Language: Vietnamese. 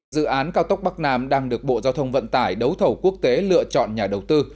dự án cao tốc bắc nam đang được bộ giao thông vận tải đấu thầu quốc tế lựa chọn nhà đầu tư